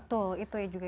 betul itu yang takutnya